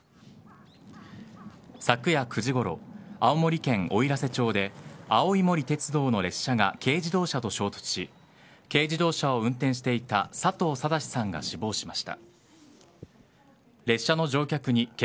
昨夜９時ごろ青森県おいらせ町で青い森鉄道の列車が軽自動車と衝突し軽自動車を運転していた佐藤定志さんが死亡しました。